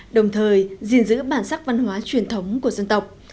đồng thời gìn giữ bản sắc văn hóa truyền thống của dân tộc